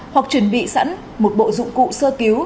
hoặc chuẩn bị sẵn một bộ dụng cụ sơ cứu